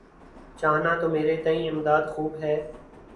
چاہنا تو مرے تئیں امداد خوب ہے۔